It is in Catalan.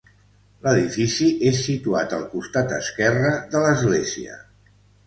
L'edifici és situat al costat esquerre de l'església.